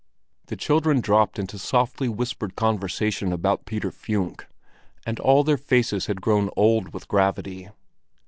The children dropped into softly whispered conversation about Peter Funck, and all their faces had grown old with gravity.